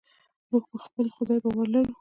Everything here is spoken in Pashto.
موږ په خپل خدای باور لرو.